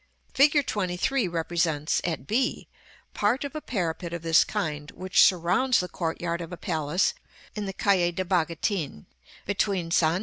Fig. XXIII. represents, at b, part of a parapet of this kind which surrounds the courtyard of a palace in the Calle del Bagatin, between San G.